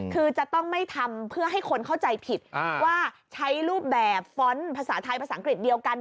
คือจะต้องไม่ทำเพื่อให้คนเข้าใจผิดว่าใช้รูปแบบฟ้อนต์ภาษาไทยภาษาอังกฤษเดียวกัน